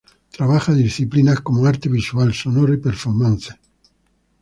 Trabaja disciplinas como arte visual, sonoro y performance.